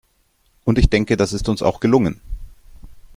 Und ich denke, das ist uns auch gelungen.